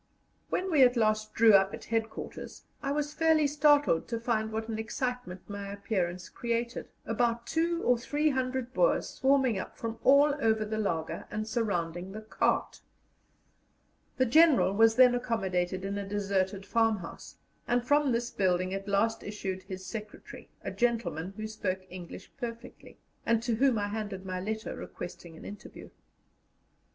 When we at last drew up at headquarters, I was fairly startled to find what an excitement my appearance created, about two or three hundred Boers swarming up from all over the laager, and surrounding the cart. The General was then accommodated in a deserted farmhouse, and from this building at last issued his secretary, a gentleman who spoke English perfectly, and to whom I handed my letter requesting an interview.